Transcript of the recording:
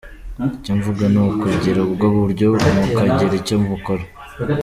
Icyo mvuga ni ukugira ubwo buryo, mukagira icyo mukora.